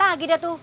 gak ada gede tuh